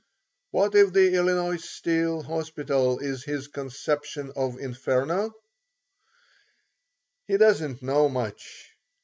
What if the Illinois Steel hospital is his conception of Inferno? He doesn't know much.